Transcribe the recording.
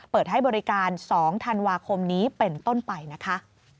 เปิดให้บริการ๒ธันวาคมนี้เป็นต้นไปนะคะ